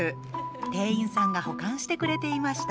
店員さんが保管してくれていました。